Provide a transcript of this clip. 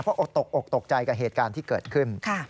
เพราะอดตกอกตกใจกับเหตุการณ์ที่เกิดขึ้น